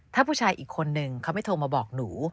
ถ้าผู้ชายอีกคนนึงเขาไม่โทรมาบอกหนู